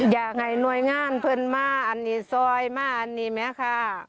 อย่างไรนวยง่านเพิ่มมาอันนี้ซอยมาอันนี้ไหมคะ